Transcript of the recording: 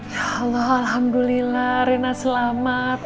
ya allah alhamdulillah rina selamat